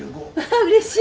うれしい。